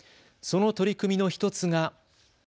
その取り組みの１つが。